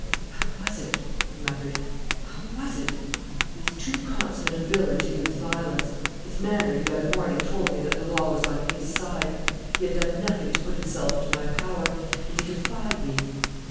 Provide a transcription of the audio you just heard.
"How was it?" he muttered; "how was it? He is too consummate a villain to use violence. His manner the other morning told me that the law was on his side. He had done nothing to put himself into my power, and he defied me.